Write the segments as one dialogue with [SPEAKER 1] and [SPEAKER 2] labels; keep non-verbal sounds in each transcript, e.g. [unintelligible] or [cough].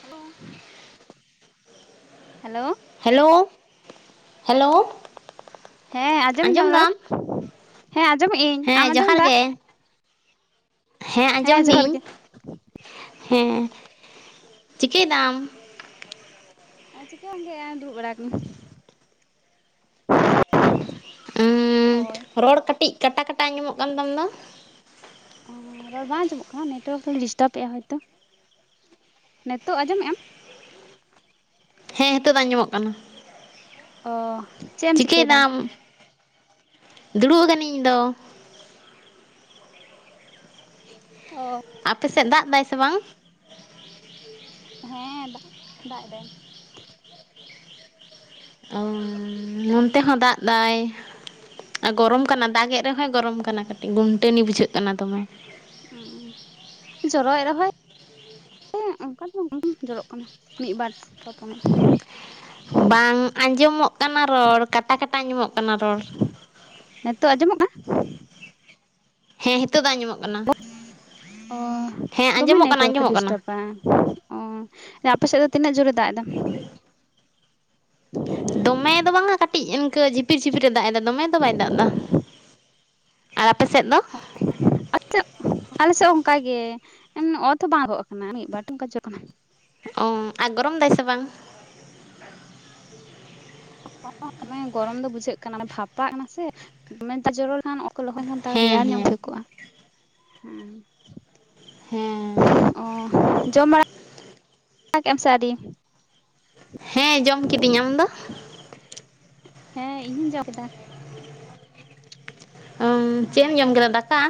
[SPEAKER 1] Hello hello
[SPEAKER 2] hello hello
[SPEAKER 1] ᱦᱮᱸ ᱟᱸᱡᱚᱢ ᱫᱟᱢ ᱨᱚᱲ ᱦᱮᱸ ᱟᱸᱡᱚᱢᱮᱫ ᱟᱹᱧ ᱟᱢ
[SPEAKER 2] ᱦᱮᱸ
[SPEAKER 1] ᱟᱸᱡᱚᱢ
[SPEAKER 2] ᱡᱚᱦᱟᱨ
[SPEAKER 1] ᱫᱟᱢ?
[SPEAKER 2] ᱜᱮ
[SPEAKER 1] ᱦᱮᱸ
[SPEAKER 2] ᱟᱸᱡᱚᱢ
[SPEAKER 1] ᱡᱚᱦᱟᱨ
[SPEAKER 2] ᱫᱤᱧ
[SPEAKER 1] ᱜᱮ
[SPEAKER 2] ᱦᱮᱸ ᱪᱤᱠᱟᱹᱭ ᱫᱟᱢ
[SPEAKER 1] ᱟᱨ ᱪᱤᱠᱟᱹ ᱵᱟᱝᱜᱮ ᱫᱩᱲᱩᱵ ᱵᱟᱲᱟ ᱟᱠᱟᱱᱟᱧ᱾
[SPEAKER 2] ᱸ ᱨᱚᱲ ᱠᱟᱹᱴᱤᱡ ᱠᱟᱴᱟ ᱠᱟᱴᱟ ᱟᱡᱚᱢᱚᱜ ᱠᱟᱱ ᱛᱟᱢ ᱫᱚ
[SPEAKER 1] ᱚ ᱨᱚᱲ ᱵᱟᱝ ᱟᱸᱚᱢᱚᱜ ᱠᱟᱱᱟ ᱱᱮᱴᱚᱣᱟᱨᱠ [unintelligible] ᱰᱤᱥᱴᱟᱵᱮᱜᱼᱟ ᱦᱳᱭᱛᱳ ᱱᱤᱛᱳᱜ ᱟᱸᱡᱚᱢᱮᱜ ᱟᱢ
[SPEAKER 2] ᱦᱮᱸ ᱱᱤᱛᱚᱜ ᱫᱚ ᱟᱸᱡᱚᱢᱚᱜ ᱠᱟᱱᱟ᱾
[SPEAKER 1] ᱚ ᱪᱮᱫ ᱮᱢ
[SPEAKER 2] ᱪᱤᱠᱟᱹᱭ
[SPEAKER 1] ᱪᱤᱠᱟᱹᱭᱮᱫᱟ
[SPEAKER 2] ᱫᱟᱢ ᱫᱩᱲᱩᱵ ᱟᱠᱟᱱᱟᱹᱧ ᱤᱧ ᱫᱚ
[SPEAKER 1] ᱚ
[SPEAKER 2] ᱟᱯᱮ ᱥᱮᱫ ᱫᱟᱜ ᱫᱟᱭ ᱥᱮ ᱵᱟᱝ
[SPEAKER 1] ᱦᱮᱸ ᱫᱟᱜ ᱫᱟᱜ ᱮᱫᱟᱭ
[SPEAKER 2] ᱱᱚᱱᱛᱮ ᱦᱚᱸ ᱫᱟᱜ ᱫᱟᱭ ᱜᱚᱨᱚᱢ ᱠᱟᱱᱟ ᱫᱟᱜ ᱮᱫ ᱨᱮᱦᱚᱸᱭ ᱜᱚᱨᱚᱢ ᱠᱟᱱᱟ ᱠᱟᱹᱴᱤᱡ ᱜᱩᱱᱴᱟᱹᱱᱤ ᱵᱩᱡᱷᱟᱹᱜ ᱠᱟᱱᱟ ᱫᱚᱢᱮ
[SPEAKER 1] ᱦ ᱡᱚᱨᱚᱭᱮᱫ ᱨᱮᱦᱚᱸᱭ ᱦᱮᱸ ᱚᱱᱠᱟ ᱫᱚ [unintelligible] ᱡᱚᱨᱚᱜ ᱠᱟᱱᱟ ᱢᱤᱫᱼᱵᱟᱨ ᱛᱯᱚᱱᱚᱜ
[SPEAKER 2] ᱵᱟᱝ ᱟᱸᱡᱚᱢᱚᱜ ᱠᱟᱱᱟ ᱨᱚᱲ ᱠᱟᱴᱟ ᱠᱟᱴᱟ ᱟᱸᱡᱚᱢᱚᱜ ᱠᱟᱱᱟ ᱨᱚᱲ
[SPEAKER 1] ᱱᱤᱛᱚᱜ ᱟᱸᱡᱚᱢᱚᱜ ᱠᱟᱱᱟ?
[SPEAKER 2] ᱦᱮᱸ ᱱᱤᱛᱳᱜ ᱫᱚ ᱟᱡᱚᱢᱚᱜ
[SPEAKER 1] ᱚ
[SPEAKER 2] ᱦᱮᱸ
[SPEAKER 1] ᱫᱚᱢᱮ
[SPEAKER 2] ᱟᱸᱡᱚᱢᱚᱜ ᱠᱟᱱᱟ
[SPEAKER 1] ᱱᱮᱴᱣᱟᱨᱠ ᱮ
[SPEAKER 2] ᱟᱸᱡᱚᱢᱚᱜ ᱠᱟᱱᱟ
[SPEAKER 1] ᱰᱤᱥᱴᱟᱵᱟᱼᱟ ᱚ ᱟᱯᱮ ᱥᱮᱫ ᱫᱚ ᱛᱤᱱᱟᱹᱜ ᱡᱳᱨ ᱮ ᱫᱟᱜ ᱮᱫᱟ?
[SPEAKER 2] ᱫᱚᱢᱮ ᱫᱚ ᱵᱟᱝᱟ ᱠᱟᱹᱴᱤᱡ ᱤᱱᱠᱟᱹ ᱡᱷᱤᱯᱤᱨ ᱡᱷᱤᱯᱤᱨ ᱮ ᱫᱟᱜ ᱮᱫᱟ ᱫᱚᱢᱮ ᱫᱚ ᱵᱟᱭ ᱫᱟᱜ ᱮᱫᱟ᱾ ᱟᱨ ᱟᱯᱮ ᱥᱮᱫ ᱫᱚ
[SPEAKER 1] [unintelligible] ᱟᱞᱮ ᱥᱮᱫ ᱚᱱᱠᱟ ᱜᱮ ᱚᱛ ᱦᱚᱸ ᱵᱟᱝ ᱞᱚᱦᱚᱫ ᱟᱠᱟᱱᱟ ᱢᱤᱫ ᱵᱟᱨ [unintelligible]
[SPEAKER 2] ᱚ ᱟᱨ ᱜᱚᱨᱚᱢ ᱫᱟᱭ ᱥᱮ ᱵᱟᱝ
[SPEAKER 1] [unintelligible] ᱜᱚᱨᱚᱢ ᱫᱚ ᱵᱩᱡᱷᱟᱹᱜ ᱠᱟᱱᱟ ᱵᱷᱟᱯᱟᱜ ᱠᱟᱱᱟ ᱥᱮ [unintelligible] ᱠᱷᱟᱱ ᱚᱛ ᱠᱳ ᱞᱚᱦᱚᱜ ᱠᱷᱟᱱ
[SPEAKER 2] ᱦᱮᱸ
[SPEAKER 1] ᱨᱮᱭᱟᱲ ᱧᱚᱜ
[SPEAKER 2] ᱦᱮᱸ
[SPEAKER 1] ᱵᱩᱡᱷᱟᱹᱣ ᱠᱚᱜᱟ᱾
[SPEAKER 2] ᱦᱮᱸ
[SPEAKER 1] ᱚ ᱡᱚᱢ ᱵᱟᱲᱟ [unintelligible] ᱥᱮ ᱟᱹᱨᱤ
[SPEAKER 2] ᱦᱮᱸ ᱡᱚᱢ ᱠᱤᱫᱤᱧ ᱟᱢ ᱫᱚ
[SPEAKER 1] ᱦᱮᱸ ᱤᱧ ᱦᱚᱸᱧ ᱡᱚᱢ ᱠᱮᱫᱟ᱾
[SPEAKER 2] ᱪᱮᱫ ᱮᱢ ᱡᱚᱢ ᱠᱮᱫᱟ ᱫᱟᱠᱟ?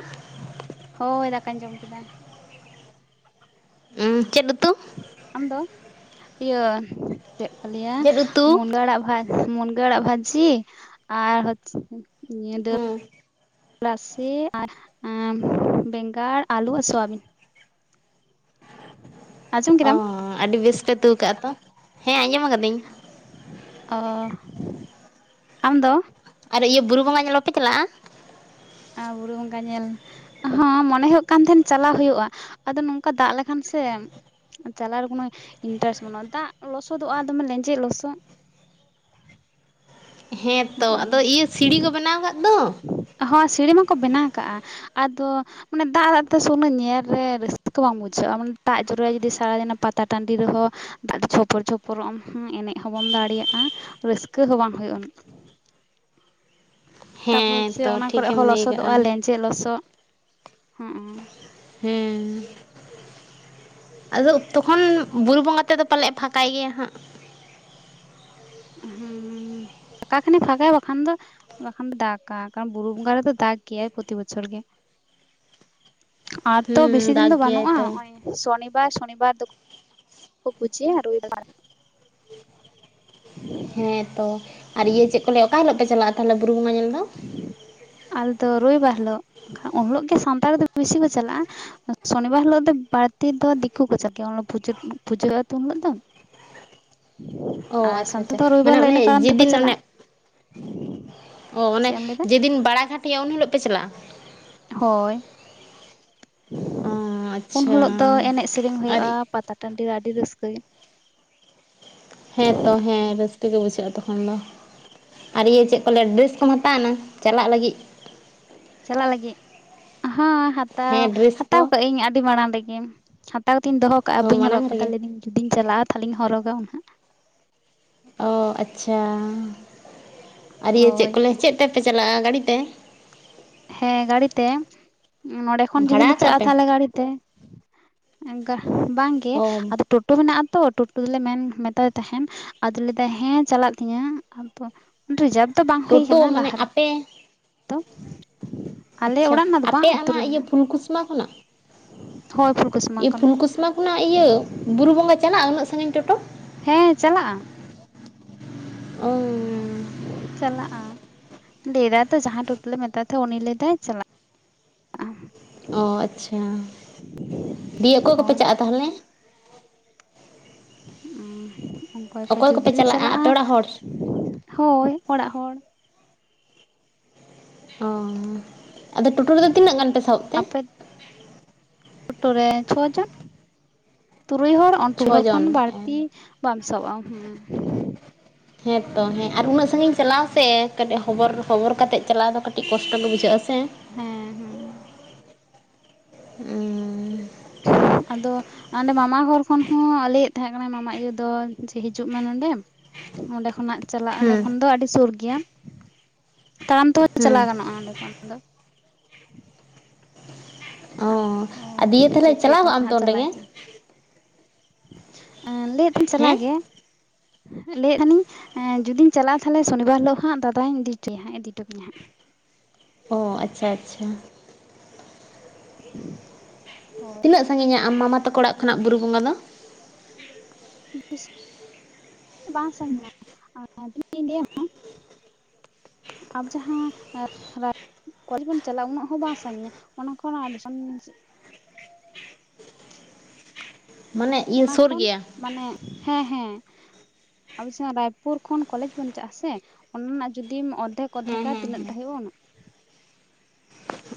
[SPEAKER 1] ᱦᱳᱭ ᱫᱟᱠᱟᱧ ᱡᱚᱢ ᱠᱮᱫᱟ᱾
[SPEAKER 2] ᱩ ᱪᱮᱫ ᱩᱫᱩ?
[SPEAKER 1] ᱟᱢᱫᱚ ᱤᱭᱟᱹ ᱪᱮᱫ ᱠᱚ ᱞᱟᱹᱭᱟ
[SPEAKER 2] ᱪᱮᱫ ᱩᱛᱩ
[SPEAKER 1] ᱢᱩᱱᱜᱟᱹ ᱟᱲᱟᱜ ᱵᱷᱟᱡᱽ ᱢᱩᱱᱜᱟᱹ ᱟᱲᱟᱜ ᱵᱷᱟᱹᱡᱤ ᱟᱨ
[SPEAKER 2] ᱦᱮᱸ
[SPEAKER 1] [unintelligible] ᱨᱟᱥᱮ ᱟᱨ ᱵᱮᱸᱜᱟᱲ ᱟᱹᱞᱩ ᱟᱨ ᱥᱳᱣᱟᱵᱤᱱ ᱟᱸᱡᱚᱢ
[SPEAKER 2] ᱚ
[SPEAKER 1] ᱠᱮᱫᱟᱢ
[SPEAKER 2] ᱟᱹᱰᱤ ᱵᱮᱥ ᱯᱮ ᱩᱛᱩᱹᱣ ᱠᱟᱜᱼᱟ ᱛᱚ ᱦᱮᱸ ᱟᱸᱡᱚᱢ ᱠᱟᱹᱫᱟᱹᱧ
[SPEAKER 1] ᱚ ᱟᱢ ᱫᱚ
[SPEAKER 2] ᱟᱨ ᱤᱭᱟᱹ ᱵᱩᱨᱩ ᱵᱚᱸᱜᱟ ᱧᱮᱞ ᱵᱟᱯᱮ ᱪᱟᱞᱟᱜᱼᱟ?
[SPEAKER 1] ᱟ ᱵᱩᱨᱩ ᱵᱚᱸᱜᱟ ᱧᱮᱞ ᱟᱦᱚᱸ ᱢᱚᱱᱮ ᱦᱩᱭᱩᱜ ᱠᱟᱱ ᱛᱟᱦᱮᱸᱱ ᱪᱟᱞᱟᱣ ᱦᱩᱭᱩᱜᱼᱟ ᱟᱫᱚ ᱱᱚᱝᱠᱟ ᱫᱟᱜ ᱞᱮᱠᱷᱟᱱ [unintelligible] ᱪᱟᱞᱟᱜ ᱨᱮ ᱠᱳᱱᱳ ᱤᱱᱴᱟᱨᱮᱥᱴ ᱵᱟᱹᱱᱩᱜᱼᱟ ᱫᱟᱜ ᱞᱚᱥᱚᱫᱚᱜᱼᱟ ᱫᱚᱢᱮ ᱞᱮᱧᱡᱮᱛ ᱞᱚᱥᱚᱜ [inaudible]
[SPEAKER 2] ᱦᱮᱸ ᱛᱚ ᱟᱫᱚ ᱤᱭᱟᱹ ᱥᱤᱲᱤ ᱠᱚ ᱵᱮᱱᱟᱣ ᱟᱠᱟᱫ ᱫᱚ
[SPEAKER 1] [unintelligible] ᱥᱤᱲᱤ ᱢᱟᱠᱚ ᱵᱮᱱᱟᱣ ᱟᱠᱟᱜᱼᱟ ᱟᱫᱚ ᱢᱟᱱᱮ ᱫᱟᱜ ᱫᱟᱜ ᱛᱮ ᱩᱱᱟᱹᱜ ᱧᱮᱞ ᱨᱮ ᱨᱟᱹᱥᱠᱟᱹ ᱠᱚ ᱵᱟᱝ ᱵᱩᱡᱷᱟᱹᱜᱼᱟ ᱢᱟᱱᱮ ᱫᱟᱜ ᱡᱚᱨᱚᱭᱟ ᱡᱩᱫᱤ ᱥᱟᱨᱟᱫᱤᱱ ᱚᱱᱟ ᱯᱟᱛᱟ ᱴᱟᱺᱰᱤ ᱨᱮᱦᱚᱸ ᱫᱟᱜ ᱫᱚ ᱪᱷᱯᱚᱨ ᱪᱷᱯᱚᱨᱢ ᱮᱱᱮᱡ ᱦᱚᱸ ᱵᱟᱢ ᱫᱟᱲᱮᱭᱟᱜ ᱟ ᱨᱟᱹᱥᱠᱟᱹ ᱦᱚᱸ ᱵᱟᱝ ᱦᱩᱭᱩᱜᱼᱟ᱾ ᱛᱟᱨᱯᱚᱨᱮ
[SPEAKER 2] ᱦᱮᱸ
[SPEAKER 1] ᱪᱮ
[SPEAKER 2] ᱛᱚ
[SPEAKER 1] ᱚᱱᱟ ᱠᱚᱨᱮᱜ
[SPEAKER 2] ᱴᱷᱤᱠᱮᱢ
[SPEAKER 1] ᱦᱚᱸ
[SPEAKER 2] ᱞᱟᱹᱭ ᱠᱟᱜᱼᱟ
[SPEAKER 1] ᱞᱚᱥᱚᱫᱚᱜᱼᱟ ᱞᱮᱸᱡᱮᱫ ᱞᱚᱥᱚᱫ ᱦᱚ
[SPEAKER 2] [unintelligible] ᱟᱫᱚ ᱛᱚᱠᱷᱚᱱ ᱵᱩᱨᱩ ᱵᱚᱸᱜᱟ ᱛᱮᱫᱚ ᱯᱟᱞᱮᱫ ᱯᱷᱟᱸᱠᱟᱭ ᱜᱮᱭᱟ ᱦᱟᱸᱜ
[SPEAKER 1] ᱦᱩᱸ ᱯᱷᱟᱠᱟ ᱠᱷᱟᱱᱮ ᱯᱷᱟᱠᱟᱭᱟ ᱵᱟᱠᱷᱟᱱ ᱫᱚ ᱵᱟᱠᱷᱟᱱ ᱫᱚ ᱫᱟᱜᱟ ᱠᱟᱨᱚᱱ ᱵᱩᱨᱩ ᱵᱚᱸᱜᱟ ᱨᱮᱫᱚ ᱫᱟᱠ ᱜᱮᱭᱟᱭ ᱯᱨᱚᱛᱤ ᱵᱚᱪᱷᱚᱨ ᱜᱮ᱾ ᱟᱨ ᱛᱚ ᱵᱮᱥᱤ
[SPEAKER 2] ᱦᱩᱸ
[SPEAKER 1] ᱫᱤᱱ ᱫᱚ
[SPEAKER 2] ᱫᱟᱜ ᱜᱮᱭᱟᱭ
[SPEAKER 1] ᱵᱟᱹᱱᱩᱜᱼᱟ
[SPEAKER 2] ᱛᱚ
[SPEAKER 1] ᱱᱚᱜᱼᱚᱭ ᱥᱚᱱᱤ [unintelligible] ᱥᱚᱱᱤᱵᱟᱨ ᱫᱚ ᱯᱩᱡᱤᱭᱟ ᱨᱚᱵᱤᱵᱟᱹᱨ
[SPEAKER 2] ᱦᱮᱸ ᱛᱚ ᱟᱨ ᱤᱭᱟᱹ ᱪᱮᱫ ᱠᱚ ᱞᱟᱹᱭᱟ ᱚᱠᱟ ᱦᱤᱞᱳᱜ ᱯᱮ ᱪᱟᱞᱟᱜᱼᱟ ᱛᱟᱦᱞᱮ ᱵᱩᱨᱩ ᱵᱚᱸᱜᱟ ᱧᱮᱞ ᱫᱚ?
[SPEAKER 1] ᱫᱚ ᱨᱚᱵᱤᱵᱟᱨ ᱦᱤᱞᱳᱜ ᱩᱱ ᱦᱤᱞᱳᱜ ᱜᱮ ᱥᱟᱱᱛᱟᱲ ᱫᱚ ᱵᱤᱥᱤ ᱠᱚ ᱪᱟᱞᱟᱜᱼᱟ ᱥᱚᱱᱤᱵᱟᱨ ᱦᱤᱞᱳᱜ ᱫᱚ ᱵᱟᱹᱲᱛᱤ ᱫᱚ ᱫᱤᱠᱩ ᱠᱚ ᱪᱟᱞᱟᱜ ᱜᱮᱭᱟ ᱩᱱᱦᱤᱞᱚᱜ ᱫᱚ ᱯᱩᱡᱟᱹ ᱯᱩᱡᱟᱹ ᱦᱩᱭᱩᱜ ᱜᱮᱭᱟ ᱛᱚ ᱩᱱ ᱦᱤᱞᱳᱜ ᱫᱚ
[SPEAKER 2] ᱚ
[SPEAKER 1] ᱟᱨ
[SPEAKER 2] ᱟᱪᱪᱷᱟ
[SPEAKER 1] ᱥᱟᱱᱛᱟᱲ
[SPEAKER 2] ᱟᱪᱪᱷᱟ
[SPEAKER 1] ᱫᱚ ᱨᱚᱵᱤᱵᱟᱨ
[SPEAKER 2] ᱢᱟᱱᱮ
[SPEAKER 1] ᱦᱤᱞᱚᱜ
[SPEAKER 2] ᱚᱱᱮ
[SPEAKER 1] ᱤᱱᱟᱹ ᱠᱟᱨᱚᱱ ᱛᱮᱠᱚ
[SPEAKER 2] ᱡᱮᱫᱤᱱ ᱚᱱᱮ
[SPEAKER 1] ᱪᱟᱞᱟᱜᱼᱟ
[SPEAKER 2] ᱚ ᱚᱱᱮ
[SPEAKER 1] ᱪᱮᱫ ᱮᱢ ᱞᱟᱹᱭᱫᱟ
[SPEAKER 2] ᱡᱮᱫᱤᱱ ᱵᱟᱲᱟ ᱜᱷᱟᱴ ᱦᱩᱭᱩᱜᱟ ᱩᱱ ᱦᱤᱞᱳᱜ ᱯᱮ ᱪᱟᱞᱟᱜᱼᱟ
[SPEAKER 1] ᱦᱳᱭ
[SPEAKER 2] ᱚ
[SPEAKER 1] ᱩᱱ
[SPEAKER 2] ᱟᱪᱪᱷᱟ
[SPEAKER 1] ᱦᱤᱞᱳᱜ ᱫᱚ ᱮᱱᱮᱡ ᱥᱮᱨᱮᱧ
[SPEAKER 2] ᱟᱨ
[SPEAKER 1] ᱦᱩᱭᱩᱜᱼᱟ ᱯᱟᱛᱟ ᱴᱟᱺᱰᱤ ᱨᱮ ᱟᱹᱰᱤ ᱨᱟᱹᱥᱠᱟᱹ
[SPEAKER 2] ᱦᱮᱸᱛᱚ ᱦᱮᱸ ᱨᱟᱹᱥᱠᱟᱹ ᱜᱮ ᱵᱩᱡᱷᱟᱹᱜᱼᱟ ᱛᱚᱠᱷᱚᱱ ᱫᱚ ᱟᱨ ᱤᱭᱟᱹ ᱪᱮᱫ ᱠᱚ ᱞᱟᱹᱭᱟ ᱰᱨᱮᱥ ᱠᱚᱢ ᱦᱟᱛᱟᱣᱱᱟ ᱪᱟᱞᱟᱜ ᱞᱟᱹᱜᱤᱫ᱾
[SPEAKER 1] ᱪᱟᱞᱟᱜ ᱞᱟᱹᱜᱤᱫ ᱦᱚᱸ ᱦᱟᱛᱟᱣ
[SPEAKER 2] ᱦᱮᱸ ᱰᱨᱮᱥ
[SPEAKER 1] ᱦᱟᱛᱟᱣ
[SPEAKER 2] ᱠᱚ
[SPEAKER 1] ᱠᱟᱜ ᱟᱹᱧ ᱟᱹᱰᱤ ᱢᱟᱲᱟᱝ ᱨᱮᱜᱮ᱾ ᱟᱹᱣᱨᱤᱧ ᱫᱚᱦᱚ ᱠᱟᱜᱼᱟ
[SPEAKER 2] ᱚ
[SPEAKER 1] ᱵᱟᱹᱧ ᱦᱚᱨᱚᱜ
[SPEAKER 2] ᱢᱟᱲᱟᱝ
[SPEAKER 1] ᱠᱟᱫᱟ
[SPEAKER 2] ᱨᱮᱜᱮ
[SPEAKER 1] ᱞᱟᱹᱭᱫᱟᱹᱧ ᱡᱩᱫᱤᱧ ᱪᱟᱞᱟᱜᱼᱟ ᱛᱟᱦᱚᱞᱮᱧ ᱦᱚᱨᱚᱜᱟ ᱦᱟᱜ
[SPEAKER 2] ᱚ ᱟᱪᱪᱷᱟ ᱟᱨ ᱤᱭᱟᱹ ᱪᱮᱫ
[SPEAKER 1] ᱦᱳᱭ
[SPEAKER 2] ᱠᱚ ᱞᱮᱭ ᱪᱮᱫ ᱛᱮ ᱛᱮᱯᱮ ᱪᱟᱞᱟᱜᱼᱟ ᱜᱟᱹᱰᱤ ᱛᱮ
[SPEAKER 1] ᱦᱮᱸ ᱜᱟᱹᱲᱤᱛᱮ ᱱᱚᱸᱰᱮ ᱠᱷᱚᱱ ᱡᱩᱫᱤ ᱞᱮ
[SPEAKER 2] ᱵᱷᱟᱲᱟ ᱠᱟᱜᱼᱟ
[SPEAKER 1] ᱪᱟᱞᱟᱜᱼᱟ
[SPEAKER 2] ᱯᱮ?
[SPEAKER 1] ᱛᱟᱦᱞᱮ ᱜᱟᱹᱰᱤᱛᱮ᱾ ᱵᱟᱝ ᱜᱮ
[SPEAKER 2] ᱚ
[SPEAKER 1] ᱟᱫᱚ ᱴᱳᱴᱳ ᱦᱮᱱᱟᱜ ᱛᱚ ᱴᱳᱴᱳ ᱫᱚᱞᱮ ᱢᱮᱱ ᱢᱮᱛᱟᱫᱤ ᱛᱟᱦᱮᱸᱱ ᱟᱫᱚ ᱞᱟᱹᱭᱟ ᱦᱮᱸ ᱪᱟᱞᱟᱜ ᱛᱤᱧᱟᱹ ᱟᱫᱚ ᱨᱤᱡᱟᱵᱷᱼᱼ ᱛᱚ ᱵᱟᱝ ᱦᱩᱭ
[SPEAKER 2] ᱴᱳᱴᱳ
[SPEAKER 1] ᱠᱟᱱᱟ
[SPEAKER 2] ᱢᱟᱱᱮ
[SPEAKER 1] ᱞᱟᱦᱟᱼᱼ
[SPEAKER 2] ᱟᱯᱮ
[SPEAKER 1] ᱟᱞᱮ
[SPEAKER 2] ᱟᱪᱪᱷᱟ
[SPEAKER 1] ᱚᱲᱟᱜ ᱨᱮᱱᱟᱜ ᱫᱚ ᱵᱟᱝ
[SPEAKER 2] ᱟᱯᱮᱭᱟᱜ
[SPEAKER 1] ᱟᱹᱛᱩ ᱨᱮ
[SPEAKER 2] ᱚᱱᱟ ᱤᱭᱟᱹ
[SPEAKER 1] ᱢᱮᱱᱟᱜᱼᱟ᱾
[SPEAKER 2] ᱯᱷᱩᱞᱠᱩᱥᱢᱟ ᱠᱷᱚᱱᱟᱜ
[SPEAKER 1] ᱦᱳᱭ ᱯᱷᱩᱞᱠᱩᱥᱢᱟ
[SPEAKER 2] ᱤᱭᱟᱹ
[SPEAKER 1] ᱠᱟᱱᱟ᱾
[SPEAKER 2] ᱯᱷᱩᱞᱠᱩᱥᱢᱟ ᱠᱷᱚᱱᱟᱜ ᱤᱭᱟᱹ ᱵᱩᱨᱩ ᱵᱚᱸᱜᱟ ᱪᱟᱞᱟᱜᱼᱟ ᱩᱱᱟᱹᱜ ᱥᱟᱺᱜᱤᱧ ᱴᱳᱴᱳ
[SPEAKER 1] ᱦᱮᱸ ᱪᱟᱞᱟᱜᱼᱟ᱾
[SPEAKER 2] ᱚ
[SPEAKER 1] ᱪᱟᱞᱟᱜᱼᱟ ᱞᱟᱹᱭ ᱫᱟ ᱛᱚ ᱡᱟᱦᱟᱸ ᱴᱳᱴᱞᱮ ᱢᱮᱛᱟᱭ ᱛᱟᱦᱮᱸ ᱩᱱᱤ ᱞᱟᱹᱭᱫᱟᱭ ᱪᱟᱞᱟᱜ ᱟ
[SPEAKER 2] ᱚ ᱟᱪᱪᱷᱟ ᱫᱤᱭᱮ ᱚᱠᱚᱭ ᱠᱚᱯᱮ
[SPEAKER 1] ᱦᱳᱭ
[SPEAKER 2] ᱪᱟᱜᱼᱟ ᱛᱟᱦᱚᱞᱮ?
[SPEAKER 1] ᱚ ᱚᱠᱚᱭ ᱠᱚ ᱡᱩᱫᱤ
[SPEAKER 2] ᱠᱚᱯᱮ
[SPEAKER 1] ᱞᱮ ᱪᱟᱞᱟᱜᱼᱟ
[SPEAKER 2] ᱟᱯᱮ ᱚᱲᱟᱜ ᱦᱚᱲ
[SPEAKER 1] ᱦᱳᱭ ᱚᱲᱟᱜ ᱦᱚᱲ
[SPEAKER 2] ᱚ ᱟᱫᱚ ᱴᱳᱴᱳ ᱨᱮᱫᱚ ᱛᱤᱱᱟᱹᱜ ᱜᱟᱱ ᱯᱮ ᱥᱟᱵᱚᱵ ᱛᱮ?
[SPEAKER 1] ᱟᱯᱮ ᱴᱳᱴᱳ ᱨᱮ ᱪᱷᱚ ᱡᱚᱱ᱾ ᱛᱩᱨᱩᱭ ᱦᱚᱲ ᱟᱨ ᱛᱩᱨᱩᱭ
[SPEAKER 2] ᱪᱷᱚ
[SPEAKER 1] ᱦᱚᱲ ᱠᱷᱚᱱ
[SPEAKER 2] ᱡᱚᱱ
[SPEAKER 1] ᱵᱟᱹᱲᱛᱤ ᱵᱟᱢ ᱥᱟᱵᱼᱟ ᱦᱩᱸ
[SPEAKER 2] ᱦᱮᱸᱛᱚ ᱦᱮᱸ ᱟᱨ ᱩᱱᱟᱹᱜ ᱥᱟᱺᱜᱤᱧ ᱪᱟᱞᱟᱣ ᱥᱮ ᱠᱟᱹᱴᱤᱡ ᱦᱚᱵᱚᱨ ᱠᱟᱛᱮᱜ ᱪᱟᱞᱟᱣ ᱫᱚ ᱠᱟᱴᱤᱡ ᱟᱹᱰᱤ ᱠᱚᱥᱴᱚ ᱜᱮ ᱵᱩᱡᱷᱟᱹᱜᱼᱟ᱾ ᱥᱮ
[SPEAKER 1] ᱦᱮᱸ ᱦᱮᱸ
[SPEAKER 2] ᱦᱩᱸ
[SPEAKER 1] ᱟᱫᱚ ᱚᱸᱰᱮ ᱢᱟᱢᱟ ᱜᱷᱚᱨ ᱠᱷᱚᱱ ᱦᱚᱸ ᱞᱟᱹᱭᱮᱫ ᱛᱟᱦᱮᱸ ᱠᱟᱱᱟ ᱢᱟᱢᱟ ᱤᱭᱟᱹ ᱫᱚ ᱡᱮ ᱦᱤᱡᱩᱜ ᱢᱮ ᱱᱚᱸᱰᱮ ᱚᱸᱰᱮ ᱠᱷᱚᱱᱟᱜ ᱪᱟᱞᱟᱜ ᱚᱸᱰᱮ
[SPEAKER 2] ᱦᱮᱸ
[SPEAKER 1] ᱠᱷᱚᱱ ᱫᱚ ᱟᱹᱰᱤ ᱥᱩᱨ ᱜᱮᱭᱟ ᱛᱟᱲᱟᱢ ᱛᱮ
[SPEAKER 2] ᱦᱮᱸ
[SPEAKER 1] ᱪᱟᱞᱟᱣ ᱜᱟᱱᱚᱜᱼᱟ ᱚᱸᱰᱮ ᱠᱷᱚᱱ᱾ [unintelligible]
[SPEAKER 2] ᱚ
[SPEAKER 1] ᱟᱫᱚ
[SPEAKER 2] ᱟᱨ ᱫᱤᱭᱮ
[SPEAKER 1] ᱪᱮᱫ
[SPEAKER 2] ᱛᱟᱦᱚᱞᱮ
[SPEAKER 1] ᱪᱤᱠᱟᱹᱜ
[SPEAKER 2] ᱪᱟᱞᱟᱣ ᱠᱚᱜ
[SPEAKER 1] ᱠᱟᱱᱟ
[SPEAKER 2] ᱟᱢ ᱛᱚ
[SPEAKER 1] ᱦᱟᱜ
[SPEAKER 2] ᱚᱸᱰᱮ
[SPEAKER 1] ᱪᱟᱞᱟᱜ
[SPEAKER 2] ᱜᱮ
[SPEAKER 1] ᱤᱧ ᱪᱮ ᱵᱟᱝ ᱞᱟᱹᱭ ᱮᱫ ᱛᱤᱧ ᱪᱟᱞᱟᱜ
[SPEAKER 2] ᱦᱮᱸ
[SPEAKER 1] ᱜᱮ ᱞᱟᱹᱭᱮᱫ ᱛᱟᱦᱮᱱᱤᱧ ᱡᱩᱫᱤᱧ ᱪᱟᱞᱟᱜᱼᱟ ᱛᱟᱦᱞᱮ ᱥᱚᱱᱤᱵᱟᱨ ᱦᱤᱞᱳᱜ ᱦᱟᱸᱜ ᱫᱟᱫᱟᱧ ᱤᱫᱤ ᱦᱚᱴᱚᱭᱟ ᱤᱫᱤ ᱦᱚᱴᱚ ᱟᱹᱧᱟᱭ ᱦᱟᱸᱜ᱾ [inaudible]
[SPEAKER 2] ᱚ ᱟᱪᱪᱷᱟ ᱟᱪᱪᱷᱟ
[SPEAKER 1] [unintelligible] ᱦᱳᱭ
[SPEAKER 2] ᱛᱤᱱᱟᱹᱜ ᱥᱟᱺᱜᱤᱧᱟ ᱟᱢ ᱢᱟᱢ ᱢᱟ ᱛᱟᱠᱚ ᱚᱲᱟᱜ ᱠᱷᱚᱱᱟᱜ ᱵᱩᱨᱩ ᱵᱚᱸᱜᱟ ᱫᱚ
[SPEAKER 1] ᱵᱮᱥᱤ ᱫᱚ ᱵᱟᱝ ᱥᱟᱹᱜᱤᱧᱟ ᱦᱮ ᱛᱤᱱᱟᱹᱜ ᱤᱧ ᱞᱟᱹᱭ ᱟᱢᱟ ᱟᱨ ᱡᱟᱦᱟᱸ ᱠᱚᱭ ᱵᱚᱱ ᱪᱟᱞᱟᱜᱼᱟ ᱩᱱᱟᱹᱜ ᱦᱚᱸ ᱵᱟᱝ ᱥᱟᱺᱜᱤᱧᱟ ᱚᱱᱟ ᱠᱷᱚᱱ
[SPEAKER 2] ᱢᱟᱱᱮ ᱤᱭᱟᱹ
[SPEAKER 1] ᱚᱱᱟ
[SPEAKER 2] ᱥᱩᱨ
[SPEAKER 1] ᱠᱷᱚᱱ
[SPEAKER 2] ᱜᱮᱭᱟ?
[SPEAKER 1] ᱢᱟᱱᱮ ᱦᱮᱸ ᱦᱮᱸ ᱟᱵᱚ ᱡᱟᱦᱟᱸ ᱨᱟᱭᱯᱩᱨ ᱠᱷᱚᱱ ᱠᱚᱞᱮᱡᱽ ᱵᱚᱱ ᱪᱟᱜ ᱟ ᱥᱮ ᱚᱱᱟ ᱨᱮᱱᱟᱜ ᱡᱩᱫᱤᱢ ᱚᱨᱫᱷᱮᱠ
[SPEAKER 2] ᱦᱮᱸ
[SPEAKER 1] ᱚᱫᱷᱮᱠᱟ ᱛᱤᱱᱟᱹᱜ ᱴᱟ ᱦᱩᱭᱩᱭ ᱩᱱᱟᱹᱜ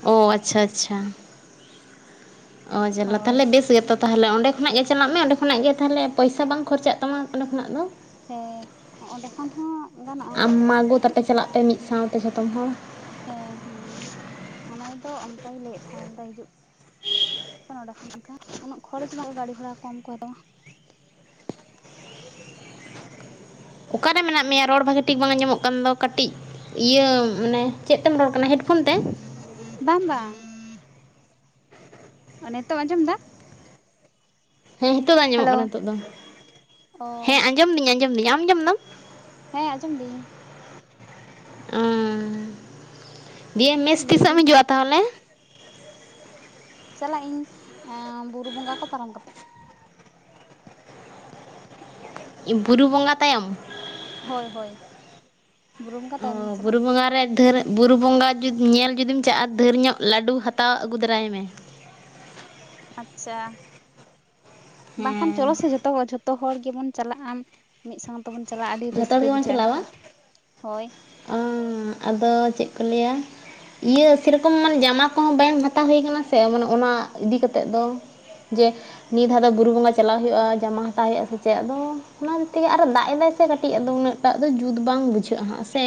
[SPEAKER 2] ᱚ ᱟᱪᱪᱷᱟ ᱟᱪᱪᱷᱟ ᱚᱡᱟᱞᱟ
[SPEAKER 1] ᱦᱳᱭ
[SPEAKER 2] ᱛᱟᱦᱚᱞᱮ ᱵᱮᱥ ᱜᱮᱛᱚ ᱛᱟᱦᱚᱞᱮ ᱚᱸᱰᱮ ᱠᱷᱚᱱᱟᱜ ᱜᱮ ᱪᱟᱞᱟᱜ ᱢᱮ ᱚᱸᱰᱮ ᱠᱷᱚᱱᱟᱜ ᱜᱮ ᱛᱟᱦᱚᱞᱮ ᱯᱚᱭᱥᱟ ᱵᱟᱝ ᱠᱷᱚᱨᱪᱟᱜ ᱛᱟᱢᱟ ᱚᱸᱰᱮ ᱠᱷᱚᱱᱟᱜ ᱫᱚ
[SPEAKER 1] ᱦᱮᱸ ᱚᱸᱰᱮ ᱠᱷᱚᱱ ᱦᱚᱸ ᱜᱟᱱᱚᱜᱼᱟ
[SPEAKER 2] ᱟᱢ
[SPEAKER 1] ᱟᱫᱚ
[SPEAKER 2] ᱢᱟ ᱟᱹᱜᱩ ᱛᱟᱯᱮ ᱪᱟᱞᱟᱜ ᱯᱮ ᱢᱤᱫ ᱥᱟᱶᱛᱮ ᱡᱚᱛᱚᱢ ᱦᱚᱲ
[SPEAKER 1] ᱦᱮᱸ ᱦᱮᱸ ᱚᱱᱟ ᱫᱚ ᱚᱱᱠᱟᱜᱮ ᱞᱟᱹᱭᱮᱫ ᱛᱟᱦᱮᱸ ᱦᱤᱡᱩᱜ ᱱᱚᱰᱮ ᱠᱷᱚᱱ ᱚᱱᱠᱟ ᱩᱱᱟᱹᱜ ᱠᱷᱚᱨᱚᱪ ᱨᱮᱱᱟᱜ ᱵᱟᱹᱲᱛᱤ ᱜᱷᱚᱲᱟ ᱠᱚᱢ ᱠᱚ ᱦᱟᱛᱟᱣᱟ
[SPEAKER 2] ᱚᱠᱟᱨᱮ ᱢᱮᱱᱟᱜ ᱢᱮᱭᱟ ᱨᱚᱲ ᱵᱷᱟᱜᱮ ᱴᱷᱤᱠ ᱵᱟᱝ ᱟᱸᱡᱚᱢᱚᱜ ᱠᱟᱱ ᱫᱚ ᱠᱟᱹᱴᱤᱡ ᱤᱭᱟᱹ ᱢᱟᱱᱮ ᱪᱮᱫ ᱛᱮᱢ ᱨᱚᱲ ᱠᱟᱱᱟ ᱦᱮᱰᱯᱷᱳᱱ ᱛᱮ
[SPEAKER 1] ᱵᱟᱜ ᱵᱟᱜ [inaudible] ᱱᱤᱛᱚᱜ ᱟᱸᱡᱚᱢ ᱫᱟ
[SPEAKER 2] ᱦᱮᱸ ᱱᱤᱛᱚᱜ ᱫᱚ ᱟᱸᱡᱚᱢᱚᱜ
[SPEAKER 1] ᱦᱮᱞᱳ
[SPEAKER 2] ᱠᱟᱱᱟ ᱱᱤᱛᱚᱜ ᱫᱚ
[SPEAKER 1] ᱚ
[SPEAKER 2] ᱦᱮᱸ ᱟᱸᱡᱚᱢ ᱫᱤᱧ ᱟᱸᱡᱚᱢ ᱫᱤᱧ ᱟᱢ ᱟᱡᱚᱢ ᱫᱟᱢ
[SPEAKER 1] ᱦᱮᱸ ᱟᱸᱡᱚᱢ ᱫᱤᱧ
[SPEAKER 2] ᱚᱜᱸ ᱫᱤᱭᱮ ᱢᱮᱥ ᱛᱤᱥ ᱦᱚᱸ ᱮᱢ
[SPEAKER 1] ᱞᱟᱹᱭᱫᱟᱹᱧ
[SPEAKER 2] ᱦᱤᱡᱩᱜᱼᱟ ᱛᱟᱦᱚᱞᱮ
[SPEAKER 1] ᱪᱟᱞᱟᱜ ᱤᱧ ᱵᱩᱨᱩ ᱵᱚᱸᱜᱟ ᱠᱚ ᱯᱟᱨᱚᱢ ᱠᱟᱛᱮ
[SPEAKER 2] ᱵᱩᱨᱩ ᱵᱚᱸᱜᱟ ᱛᱟᱭᱚᱢ
[SPEAKER 1] ᱦᱳᱭ ᱦᱳᱭ ᱵᱩᱨᱩ ᱵᱚᱸᱜᱟ
[SPEAKER 2] ᱚ
[SPEAKER 1] ᱛᱟᱭᱚᱢ ᱜᱤᱧ ᱪᱟᱞᱟᱜᱼᱟ
[SPEAKER 2] ᱵᱩᱨᱩ ᱵᱚᱸᱜᱟ ᱫᱷᱟᱣ ᱵᱩᱨᱩ ᱵᱚᱸᱜᱟ ᱡᱤᱫᱤ ᱧᱮᱞ ᱡᱩᱫᱤᱢ ᱪᱟᱜ-ᱟ ᱰᱷᱮᱨ ᱧᱚᱜ ᱞᱟᱹᱰᱩ ᱦᱟᱛᱟᱣ ᱟᱹᱜᱩ ᱫᱟᱨᱟᱭ ᱢᱮ
[SPEAKER 1] ᱟᱪᱪᱷᱟ ᱵᱟᱝᱠᱷᱟᱱ ᱪᱚᱞᱚ
[SPEAKER 2] ᱦᱮᱸ
[SPEAKER 1] ᱥᱮ ᱡᱚᱛᱚ ᱦᱚᱲ ᱡᱷᱚᱛᱚ ᱡᱚᱛᱚ ᱦᱚᱲ ᱜᱮᱵᱚᱱ ᱪᱟᱞᱟᱜᱼᱟ ᱟᱢ ᱢᱤᱫ ᱥᱟᱶ ᱡᱚᱛᱚ ᱵᱚᱱ ᱪᱟᱞᱟᱜᱼᱟ ᱟᱹᱰᱤ
[SPEAKER 2] ᱡᱷᱚᱛᱚ ᱦᱚᱲ
[SPEAKER 1] ᱨᱟᱹᱥᱠᱟᱹ
[SPEAKER 2] ᱜᱮᱵᱚᱱ
[SPEAKER 1] ᱵᱩᱡᱷᱟᱹᱜᱼᱟ
[SPEAKER 2] ᱪᱟᱞᱟᱜᱼᱟ ᱵᱟᱝ?
[SPEAKER 1] ᱮᱸᱰᱮᱠᱷᱟᱱ ᱦᱳᱭ
[SPEAKER 2] ᱟᱫᱚ ᱪᱮᱫ ᱠᱚ ᱞᱟᱹᱭ-ᱟ ᱤᱭᱟᱹ ᱥᱮᱨᱚᱠᱚᱢ ᱢᱟᱱᱮ ᱡᱟᱢᱟ ᱠᱚᱦᱚᱸ ᱵᱟᱝ ᱦᱟᱛᱟᱣ ᱦᱩᱭ ᱠᱟᱱᱟ ᱥᱮ ᱢᱟᱱᱮ ᱚᱱᱟ ᱤᱫᱤ ᱠᱟᱛᱮ ᱫᱚ ᱡᱮ ᱱᱤᱛ ᱫᱷᱟᱣ ᱫᱚ ᱵᱩᱨᱩ ᱵᱚᱸᱜᱟ ᱪᱟᱞᱟᱜ ᱦᱩᱭᱩᱜᱼᱟ ᱡᱟᱢᱟ ᱦᱟᱛᱟᱣ ᱦᱩᱭᱩᱜᱼᱟ ᱥᱮ ᱪᱮᱫ ᱟᱫᱚ ᱚᱱᱟ ᱛᱮᱭᱟᱜ ᱟᱨᱦᱚ ᱫᱟᱜ ᱮᱫᱟᱭ ᱥᱮ ᱠᱟᱹᱴᱤᱡ ᱟ ᱫᱚ ᱩᱱᱟᱹᱜ ᱴᱟᱜ ᱫᱚ ᱡᱩᱛ ᱵᱟᱝ ᱵᱩᱡᱷᱟᱹᱜ-ᱟ ᱦᱟᱜ ᱥᱮ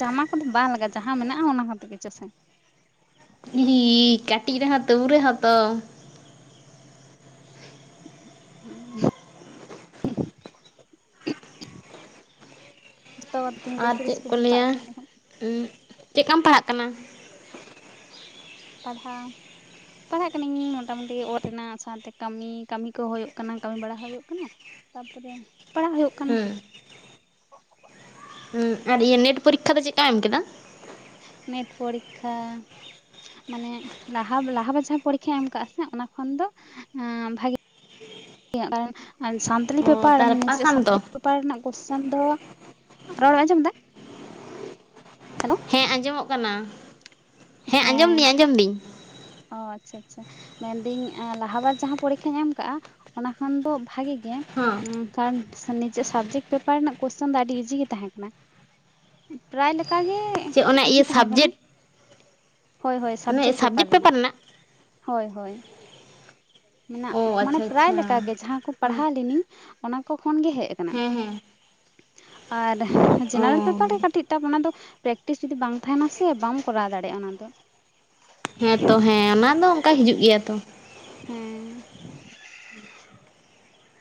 [SPEAKER 1] ᱡᱟᱢᱟ ᱠᱚᱫᱚ ᱵᱟᱝ ᱞᱟᱜᱟᱜᱼᱟ ᱡᱟᱦᱟᱸ ᱢᱮᱱᱟᱜᱼᱟ ᱚᱱᱟ ᱠᱚᱛᱮ ᱜᱮ ᱪᱚᱥᱮ
[SPEAKER 2] ᱦᱤᱸᱦᱤᱸ ᱠᱟᱹᱴᱤᱡ ᱨᱮᱦᱚᱸ ᱛᱩᱹᱵ ᱨᱮᱦᱚᱸ ᱛᱚ
[SPEAKER 1] ᱦᱮᱸ [unintelligible] [unintelligible]
[SPEAKER 2] ᱟᱨ ᱪᱮᱫ ᱠᱚ ᱞᱟᱹᱭ-ᱟ ᱪᱮᱠᱠᱟᱢ ᱯᱟᱲᱦᱟᱜ ᱠᱟᱱᱟ
[SPEAKER 1] ᱯᱟᱲᱦᱟᱣ ᱯᱟᱲᱦᱟᱜ ᱠᱟᱹᱱᱟᱹᱧ ᱢᱳᱴᱟᱢᱩᱴᱤ ᱚᱛ ᱨᱮᱱᱟᱜ ᱥᱟᱶᱛᱮ ᱠᱟᱹᱢᱤ ᱠᱟᱹᱢᱤ ᱠᱚ ᱦᱩᱭᱩᱜ ᱠᱟᱱᱟ ᱠᱟᱹᱢᱤ ᱵᱟᱲᱟ ᱦᱩᱭᱩᱜ ᱠᱟᱱᱟ ᱛᱟᱯᱚᱨᱮ ᱯᱟᱲᱦᱟᱜ ᱦᱩᱭᱩᱜ ᱠᱟᱱᱟ
[SPEAKER 2] ᱦᱮᱸ ᱟᱨ ᱱᱮᱴ ᱯᱚᱨᱤᱠᱠᱷᱟ ᱫᱚ ᱪᱮᱠᱠᱟᱢ ᱮᱢ ᱠᱮᱫᱟ
[SPEAKER 1] ᱱᱮᱴ ᱯᱚᱨᱤᱠᱠᱷᱟ ᱢᱟᱱᱮ ᱞᱟᱦᱟ ᱞᱟᱦᱟ ᱵᱟᱪᱷᱟ ᱡᱟᱦᱟᱸ ᱯᱚᱨᱤᱠᱠᱷᱟ ᱮᱢ ᱠᱟᱜᱼᱟ ᱥᱮ ᱚᱱᱟ ᱠᱷᱚᱱ ᱫᱚ ᱵᱷᱟᱜᱮ ᱠᱤᱭᱟᱜ ᱠᱟᱨᱚᱱ ᱥᱟᱱᱛᱟᱞᱤ
[SPEAKER 2] ᱚ
[SPEAKER 1] ᱯᱮᱯᱟᱨ
[SPEAKER 2] ᱛᱟᱦᱚᱞᱮ
[SPEAKER 1] ᱱᱤᱡᱮᱨᱟᱜ
[SPEAKER 2] ᱯᱟᱥᱟᱢ ᱛᱚ?
[SPEAKER 1] ᱥᱟᱵᱡᱮᱠᱴ ᱯᱮᱯᱟᱨ ᱨᱮᱱᱟᱜ ᱠᱚᱥᱪᱮᱱ ᱫᱚ ᱨᱚᱲ ᱟᱸᱡᱚᱢ ᱮᱫᱟ ᱦᱮᱞᱳ
[SPEAKER 2] ᱦᱮᱸ ᱟᱸᱡᱚᱢᱚᱜ ᱠᱟᱱᱟ ᱦᱮᱸ ᱟᱸᱡᱚᱢ ᱫᱤᱧ ᱟᱸᱡᱚᱢ ᱫᱤᱧ
[SPEAKER 1] ᱚ ᱟᱪᱪᱷᱟ ᱟᱪᱪᱷᱟ ᱢᱮᱱᱫᱟᱹᱧ ᱞᱟᱦᱟ ᱵᱟᱨ ᱡᱟᱦᱟᱸ ᱯᱚᱨᱤᱠᱠᱷᱟ ᱮᱢ ᱠᱟᱜᱼᱟ ᱚᱱᱟ ᱠᱷᱚᱱ ᱫᱚ ᱵᱷᱟᱜᱤ ᱟᱱᱰ
[SPEAKER 2] ᱦᱚᱸ
[SPEAKER 1] [unintelligible] ᱱᱤᱡᱮ ᱥᱟᱵᱡᱮᱠᱴ ᱯᱮᱯᱟᱨ ᱨᱮᱱᱟᱜ ᱠᱚᱥᱪᱮᱱ ᱫᱚ ᱟᱹᱰᱤ ᱤᱡᱤ ᱜᱮ ᱛᱟᱦᱮᱸ ᱠᱟᱱᱟ ᱯᱮᱨᱟᱭ ᱞᱮᱠᱟ ᱚᱱᱠᱟ ᱜᱮ
[SPEAKER 2] ᱪᱮ ᱚᱱᱟ
[SPEAKER 1] ᱤᱡᱤ
[SPEAKER 2] ᱤᱭᱟᱹ
[SPEAKER 1] ᱛᱟᱦᱮᱸ ᱠᱟᱱᱟ
[SPEAKER 2] ᱥᱟᱵᱡᱮᱠᱴ ᱥᱟᱵᱡᱮᱠᱴ ᱯᱮᱯᱟᱨ ᱨᱮᱱᱟᱜ
[SPEAKER 1] ᱦᱳᱭ ᱦᱳᱭ ᱢᱮᱱᱟᱜ
[SPEAKER 2] ᱚ
[SPEAKER 1] ᱢᱟᱱᱮ
[SPEAKER 2] ᱟᱪᱪᱷᱟ
[SPEAKER 1] ᱯᱨᱟᱭ
[SPEAKER 2] ᱟᱪᱪᱷᱟ
[SPEAKER 1] ᱞᱮᱠᱟᱜᱮ ᱡᱟᱦᱟᱸ ᱠᱚ ᱯᱟᱲᱦᱟᱣ ᱞᱤᱱᱟᱹᱧ ᱚᱱᱟ ᱠᱚ ᱠᱷᱚᱱ ᱜᱮ ᱦᱮᱡᱠᱟᱱᱟ
[SPEAKER 2] ᱦᱮᱸ ᱦᱮᱸ
[SPEAKER 1] ᱟᱨ
[SPEAKER 2] ᱚ
[SPEAKER 1] ᱡᱮᱱᱟᱨᱮᱞ ᱯᱮᱯᱟᱨ ᱨᱮ ᱠᱟᱹᱴᱤᱡ ᱴᱟᱯ ᱚᱱᱟ ᱫᱚ ᱯᱨᱮᱠᱴᱤᱥ ᱡᱩᱫᱤ ᱵᱟᱝ ᱛᱟᱦᱮᱱᱟ ᱥᱮ ᱵᱟᱢ ᱠᱚᱨᱟᱣ ᱫᱟᱲᱮᱭᱟᱜᱼᱟ ᱚᱱᱟ ᱫᱚ
[SPEAKER 2] ᱦᱮᱸᱛᱚ ᱦᱮᱸ ᱚᱱᱟ ᱫᱚ ᱚᱱᱠᱟ ᱦᱤᱡᱩᱜ ᱜᱮᱭᱟ ᱛᱚ
[SPEAKER 1] ᱦᱮᱸ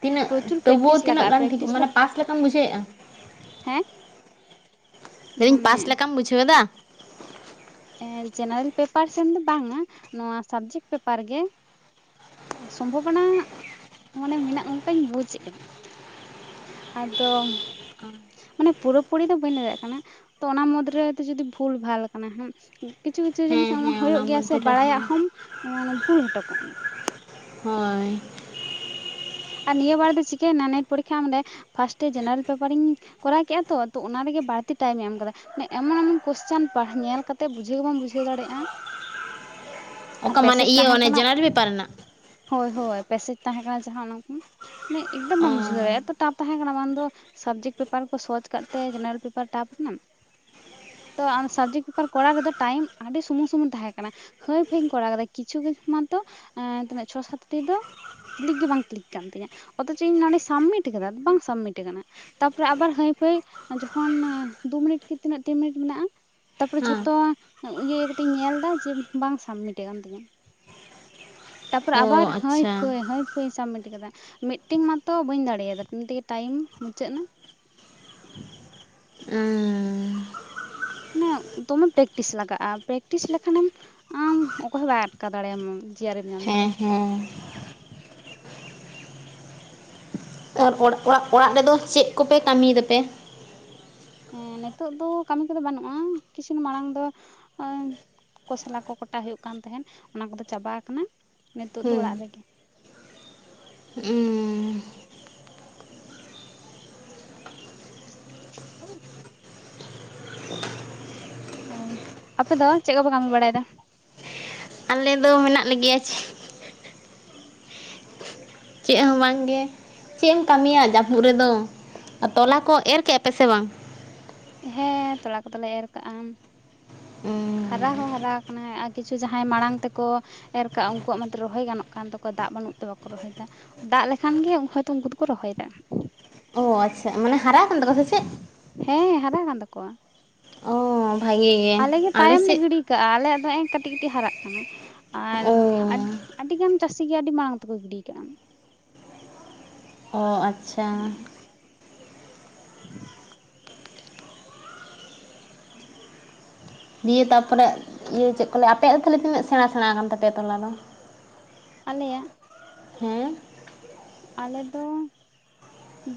[SPEAKER 2] ᱛᱤᱱᱟᱹᱜ
[SPEAKER 1] ᱯᱨᱚᱪᱩᱨ
[SPEAKER 2] ᱛᱵᱩ
[SPEAKER 1] ᱯᱨᱮᱠᱴᱤᱥ
[SPEAKER 2] ᱛᱤᱱᱟᱹᱜ
[SPEAKER 1] ᱞᱟᱜᱟᱜᱼᱟ
[SPEAKER 2] ᱜᱟᱱ
[SPEAKER 1] ᱯᱨᱮᱠᱴᱤᱥ
[SPEAKER 2] ᱴᱷᱤᱠᱚᱜᱼᱟ ᱢᱟᱱᱮ ᱯᱟᱥ ᱞᱮᱠᱟᱢ ᱵᱩᱡᱷᱟᱹᱣᱮᱫ-ᱟ
[SPEAKER 1] ᱦᱮᱸ
[SPEAKER 2] ᱞᱟᱹᱭ ᱫᱤᱧ
[SPEAKER 1] ᱢᱟᱱᱮ
[SPEAKER 2] ᱯᱟᱥ ᱞᱮᱠᱟᱢ ᱵᱩᱡᱷᱟᱹᱣ ᱫᱟ
[SPEAKER 1] ᱡᱮᱱᱟᱨᱮᱞ ᱯᱮᱯᱟᱨ ᱥᱮᱱ ᱫᱚ ᱵᱟᱝ-ᱟ ᱱᱚᱣᱟ ᱥᱟᱵᱡᱮᱠᱴ ᱯᱮᱯᱟᱨ ᱜᱮ ᱥᱚᱢᱵᱷᱚᱵᱚᱱᱟ ᱢᱟᱱᱮ ᱢᱮᱱᱟᱜ ᱚᱱᱠᱟᱧ ᱵᱩᱡ ᱮᱫᱼᱟ ᱟᱫᱚᱢ ᱢᱟᱱᱮ ᱯᱩᱨᱟᱹᱯᱩᱨᱤ ᱫᱚ ᱵᱟᱹᱧ ᱞᱟᱹᱭ ᱫᱟᱨᱮᱭᱟ ᱠᱟᱱᱟ ᱛᱚ ᱚᱱᱟ ᱢᱩᱫᱽ ᱨᱮ ᱡᱩᱫᱤ ᱵᱷᱩᱞ ᱵᱷᱟᱞ ᱠᱟᱱᱟ ᱠᱤᱪᱷᱩ ᱠᱤᱪᱷᱩ ᱡᱤᱱᱤᱥ
[SPEAKER 2] ᱦᱮᱸ ᱦᱮᱸ ᱚᱱᱟ
[SPEAKER 1] ᱦᱩᱭᱩᱜ ᱜᱮᱭᱟ ᱥᱮ
[SPEAKER 2] ᱢᱚᱫᱽᱫᱷᱮ ᱨᱮ ᱦᱮᱸ
[SPEAKER 1] ᱵᱟᱲᱟᱭᱟᱜ ᱦᱚᱸᱚᱢ ᱵᱷᱩᱞ ᱦᱚᱴᱚ ᱠᱟᱜᱼᱟ
[SPEAKER 2] ᱦᱳᱭ
[SPEAKER 1] ᱟᱨ ᱱᱤᱭᱟᱹ ᱵᱟᱨ ᱫᱚ ᱪᱤᱠᱟᱹᱭᱮᱱᱟ ᱱᱮᱴ ᱯᱚᱨᱤᱠᱠᱷᱟ ᱚᱰᱮ ᱯᱷᱟᱥᱴᱮ ᱡᱮᱱᱟᱨᱮᱞ ᱯᱮᱯᱟᱨᱤᱧ ᱠᱚᱨᱟᱣ ᱠᱮᱫᱼᱟ ᱛᱚ ᱚᱱᱟ ᱚᱱᱟ ᱨᱮᱜᱮ ᱵᱟᱹᱲᱛᱤ ᱴᱟᱭᱤᱢ ᱮᱢ ᱠᱟᱫᱟ ᱮᱢᱚᱱ ᱠᱚᱥᱪᱟᱱ ᱧᱮᱞ ᱠᱟᱛᱮ ᱵᱩᱡᱷᱟᱹᱣ ᱜᱮ ᱵᱟᱢ ᱵᱩᱡᱷᱟᱹᱣ ᱫᱟᱲᱮᱭᱟᱜᱼᱟ
[SPEAKER 2] ᱚᱠᱟ ᱢᱟᱱᱮ
[SPEAKER 1] ᱯᱮᱥᱮᱡᱽ
[SPEAKER 2] ᱤᱭᱟᱹ
[SPEAKER 1] ᱛᱟᱦᱮᱸ
[SPEAKER 2] ᱚᱱᱮ
[SPEAKER 1] ᱠᱟᱱᱟ
[SPEAKER 2] ᱡᱮᱱᱟᱨᱮᱞ ᱯᱮᱯᱟᱨ ᱨᱮᱱᱟᱜ
[SPEAKER 1] ᱦᱳᱭ ᱦᱳᱭ ᱯᱮᱥᱮᱡ ᱛᱟᱦᱮᱸᱠᱟᱱᱟ ᱮᱠᱫᱚᱢ
[SPEAKER 2] ᱚ
[SPEAKER 1] ᱵᱟᱢ ᱵᱩᱡᱷᱟᱹᱣ ᱫᱟᱲᱮᱭᱟᱜᱼᱟ ᱴᱟᱯ ᱛᱟᱦᱮᱸ ᱠᱟᱱᱟ ᱵᱟᱝ ᱫᱚ ᱥᱟᱵᱡᱮᱠᱴ ᱯᱮᱯᱟᱨ ᱠᱚ ᱥᱚᱦᱚᱪ ᱠᱟᱜ ᱛᱮ ᱡᱮᱱᱟᱨᱮᱞ ᱯᱮᱯᱟᱨ ᱴᱟᱯ ᱱᱟ ᱛᱚ ᱥᱟᱵᱡᱮᱠᱴ ᱯᱮᱯᱟᱨ ᱠᱚᱨᱟᱣ ᱨᱮᱫᱚ ᱴᱟᱭᱤᱢ ᱟᱹᱰᱤ ᱥᱩᱢᱩᱝ ᱥᱩᱢᱩᱝ ᱛᱟᱦᱮᱸ ᱠᱟᱱᱟ ᱦᱟᱹᱭ ᱯᱷᱟᱹᱭᱤᱧ ᱠᱚᱨᱟᱣ ᱠᱮᱫᱟ ᱠᱤᱪᱷᱩ ᱢᱟᱛᱚ ᱛᱤᱱᱟᱹᱜ ᱪᱷᱚ ᱥᱟᱛᱴᱤ ᱫᱚ ᱠᱞᱤᱠ ᱜᱮ ᱵᱟᱝ ᱠᱞᱤᱠ ᱠᱟᱱ ᱛᱤᱧᱟ ᱚᱛᱷᱪᱚ ᱤᱧ ᱱᱚᱰᱮᱧ ᱥᱟᱵᱢᱤᱴ ᱠᱟᱫᱟ ᱵᱟᱝ ᱥᱟᱵᱢᱤᱴ ᱠᱟᱱᱟ ᱛᱟᱨᱯᱚᱨᱮ ᱟᱵᱟᱨ ᱦᱟᱹᱭ ᱯᱷᱟᱹᱭ ᱚᱠᱷᱚᱱ ᱫᱩ ᱢᱤᱱᱤᱴ ᱠᱤ ᱛᱤᱱᱟᱹᱜ ᱛᱤᱱ ᱢᱤᱱᱤᱴ ᱢᱮᱱᱟᱜᱼᱟ ᱛᱟᱨᱯᱚᱨᱮ
[SPEAKER 2] ᱦᱮᱸ
[SPEAKER 1] ᱡᱷᱚᱛᱚ ᱤᱭᱟᱹ ᱠᱟᱛᱮᱧ ᱧᱮᱞᱫᱟ ᱡᱮ ᱵᱟᱝ ᱥᱟᱵᱢᱤᱴ ᱠᱟᱱ ᱛᱤᱧᱟ ᱛᱟᱯᱚᱨ
[SPEAKER 2] ᱚ
[SPEAKER 1] ᱟᱵᱟᱨ ᱦᱟᱺᱭ
[SPEAKER 2] ᱟᱪᱪᱷᱟ
[SPEAKER 1] ᱯᱷᱟᱹᱭ ᱦᱟᱺᱭ ᱯᱷᱟᱹᱭ ᱥᱟᱵᱢᱤᱴ ᱠᱟᱫᱟ ᱢᱤᱫᱴᱮᱱ ᱢᱟᱛᱚ ᱵᱟᱹᱧ ᱫᱟᱲᱮᱭᱟᱫᱟ ᱛᱮᱜᱮ ᱴᱟᱭᱤᱢ ᱢᱩᱪᱟᱹᱫ ᱮᱱᱟ [inaudible]
[SPEAKER 2] ᱩᱸ
[SPEAKER 1] ᱢᱟᱱᱮ ᱫᱚᱢᱮᱢ ᱯᱨᱮᱠᱴᱤᱥ ᱞᱟᱜᱟᱜᱼᱟ ᱯᱨᱮᱠᱴᱤᱥ ᱞᱮᱠᱷᱟᱱᱮᱢ ᱟᱢ ᱚᱠᱚᱭ ᱦᱚᱸ ᱵᱟᱭ ᱟᱴᱠᱟ ᱫᱟᱲᱮᱭᱟᱢᱟ ᱡᱮᱟᱨᱮᱢ ᱧᱟᱢᱫᱟ
[SPEAKER 2] ᱦᱮᱸ ᱦᱮᱸ ᱚᱨᱟᱜ ᱚᱲᱟᱜ ᱨᱮᱫᱚ ᱪᱮᱫ ᱠᱚᱯᱮ ᱠᱟᱹᱢᱤᱭ ᱫᱟᱯᱮ
[SPEAKER 1] ᱦᱮᱸ ᱱᱤᱛᱚᱜ ᱫᱚ ᱠᱟᱹᱢᱤ ᱠᱚᱫᱚ ᱵᱟᱹᱱᱩᱜᱼᱟ ᱠᱤᱪᱷᱩ ᱢᱟᱲᱟᱝ ᱫᱚ ᱳᱭ ᱠᱚᱥᱟᱞᱟ ᱠᱚ ᱠᱚᱴᱟ ᱦᱩᱭᱩᱜ ᱠᱟᱱ ᱛᱟᱦᱮᱸᱱ ᱚᱱᱟ ᱠᱚᱫᱚ ᱪᱟᱵᱟ ᱠᱟᱱᱟ ᱱᱤᱛᱚᱜ ᱫᱚ ᱚᱲᱟᱜ ᱨᱮᱜᱮ [inaudible]
[SPEAKER 2] ᱦᱩᱸ
[SPEAKER 1] [inaudible] ᱦ ᱦᱳᱭ ᱟᱯᱮ ᱫᱚ ᱪᱮᱫ ᱠᱚᱯᱮ ᱠᱟᱹᱢᱤ ᱵᱟᱲᱟᱭᱮᱫᱟ
[SPEAKER 2] ᱟᱞᱮ ᱫᱚ ᱢᱮᱱᱟᱜ ᱞᱮᱜᱮᱭᱟ ᱪᱮ ᱪᱮᱫ ᱦᱚᱸ ᱵᱟᱝᱜᱮ ᱪᱮᱫ ᱮᱢ ᱠᱟᱹᱢᱤᱭᱟ ᱡᱟᱹᱯᱩᱫ ᱨᱮᱫᱚ ᱟᱨ ᱛᱚᱞᱟ ᱠᱚ ᱮᱨ ᱠᱮᱫᱼᱟ ᱯᱮ ᱥᱮ ᱵᱟᱝ
[SPEAKER 1] ᱦᱮᱸ ᱛᱚᱞᱟ ᱠᱚᱫᱚᱞᱮ ᱮᱨ ᱠᱟᱜᱼᱟ
[SPEAKER 2] ᱩᱸ
[SPEAKER 1] ᱦᱟᱨᱟ ᱦᱚᱸ ᱦᱟᱨᱟ ᱠᱟᱱᱟ ᱟᱨ ᱠᱤᱪᱷᱩ ᱡᱟᱦᱟᱸᱭ ᱢᱟᱲᱟᱝ ᱛᱮᱠᱚ ᱮᱨ ᱠᱟᱜᱼᱟ ᱩᱱᱠᱩᱣᱟᱜ ᱢᱟᱛᱚ ᱨᱚᱦᱚᱭ ᱜᱟᱱᱚᱜ ᱠᱟᱱ ᱛᱟᱠᱚᱣᱟ ᱫᱟᱜ ᱵᱟᱱᱩᱜ ᱵᱟᱱᱩᱜ ᱛᱮ ᱵᱟᱠᱚ ᱨᱚᱦᱚᱭᱫᱟ ᱫᱟᱜ ᱞᱮᱠᱷᱟᱱ ᱜᱮ ᱦᱳᱭᱛᱚ ᱩᱱᱠᱩ ᱫᱚᱠᱚ ᱨᱚᱦᱚᱭᱮᱫᱟ
[SPEAKER 2] ᱚ ᱟᱪᱪᱷᱟ ᱢᱟᱱᱮ ᱦᱟᱨᱟᱜ ᱠᱟᱱ ᱛᱟᱠᱚᱣᱟ ᱥᱮ ᱪᱮᱫ?
[SPEAKER 1] ᱦᱮᱸ ᱦᱟᱨᱟ
[SPEAKER 2] ᱚ ᱵᱷᱟᱜᱮ ᱜᱮ
[SPEAKER 1] ᱟᱞᱮ ᱛᱟᱭᱚᱢ ᱞᱮ
[SPEAKER 2] ᱥᱮᱫ
[SPEAKER 1] ᱜᱤᱰᱤ ᱠᱟᱜᱼᱟ᱾ ᱱᱮ-ᱮ ᱠᱟᱹᱴᱤᱡ ᱠᱟᱹᱴᱤᱡ ᱦᱟᱨᱟᱜ ᱠᱟᱱᱟ ᱟᱨ
[SPEAKER 2] ᱚ
[SPEAKER 1] ᱟᱹᱰᱤ ᱜᱟᱱ ᱪᱟᱹᱥᱤ ᱜᱮ ᱟᱹᱰᱤ ᱢᱟᱲᱟᱝ ᱛᱮᱠᱚ ᱜᱤᱰᱤ ᱟᱠᱟᱫᱼᱟ᱾ [inaudible]
[SPEAKER 2] ᱚ ᱟᱪᱪᱷᱟ
[SPEAKER 1] [unintelligible]
[SPEAKER 2] ᱫᱤᱭᱮ ᱛᱟᱨᱯᱚᱨᱮ ᱤᱭᱟᱹ ᱪᱮᱫ ᱠᱚ ᱞᱟᱹᱭᱟ ᱟᱯᱮᱭᱟᱜ ᱛᱟᱞᱮ ᱛᱤᱱᱟᱹᱜ ᱥᱮᱬᱟ ᱥᱮᱬᱟ ᱟᱠᱟᱱ ᱛᱟᱯᱮᱭᱟ ᱴᱚᱞᱟ ᱫᱚ?
[SPEAKER 1] ᱟᱞᱮᱭᱟᱜ
[SPEAKER 2] ᱦᱮᱸ
[SPEAKER 1] ᱟᱞᱮ ᱫᱚ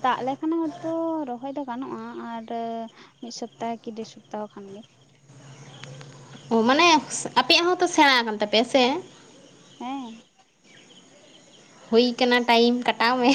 [SPEAKER 1] ᱫᱟᱜ ᱞᱮᱠᱷᱟᱱ ᱦᱚᱭᱛᱚ ᱨᱚᱦᱚᱭ ᱫᱚ ᱜᱟᱱᱚᱜᱼᱟ ᱟᱨ ᱢᱤᱫ ᱥᱚᱯᱛᱟᱦ ᱠᱤ ᱰᱮᱲ ᱥᱚᱯᱛᱟᱦᱚ ᱚᱛ ᱠᱷᱟᱱ ᱜᱮ
[SPEAKER 2] ᱚ ᱢᱟᱱᱮ ᱟᱯᱮᱭᱟᱜ ᱦᱚᱸᱛᱚ ᱥᱮᱬᱟ ᱟᱠᱟᱱ ᱛᱟᱯᱮᱭᱟ ᱥᱮ
[SPEAKER 1] ᱦᱮᱸ
[SPEAKER 2] ᱦᱩᱭ ᱠᱟᱱᱟ ᱴᱟᱭᱤᱢ ᱠᱟᱴᱟᱣ ᱢᱮ